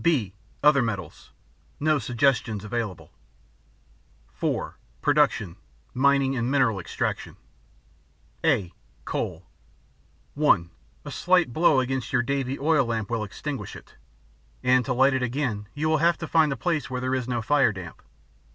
(b) Other Metals No suggestions available. (4) Production: Mining and Mineral Extraction (a) Coal (1) A slight blow against your Davy oil lamp will extinguish it, and to light it again you will have to find a place where there is no fire damp.